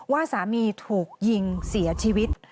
ว่าสามีถูกยิงเสียชีวิต